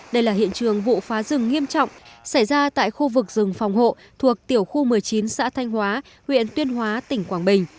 đây là hiện trường vụ phá rừng nghiêm trọng xảy ra tại khu vực rừng phòng hộ thuộc tiểu khu một mươi chín xã thanh hóa huyện tuyên hóa tỉnh quảng bình